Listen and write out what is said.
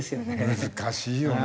難しいよね。